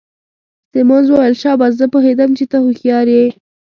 سیمونز وویل: شاباس، زه پوهیدم چي ته هوښیار يې.